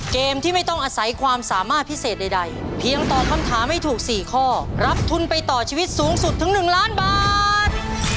เกมที่ไม่ต้องอาศัยความสามารถพิเศษใดเพียงตอบคำถามให้ถูก๔ข้อรับทุนไปต่อชีวิตสูงสุดถึง๑ล้านบาท